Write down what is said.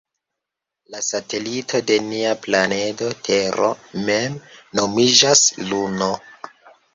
La satelito de nia planedo Tero mem nomiĝas Luno.